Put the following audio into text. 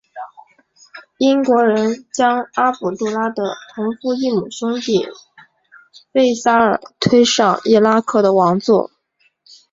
英国人将阿卜杜拉的同父异母兄弟费萨尔推上伊拉克的王座。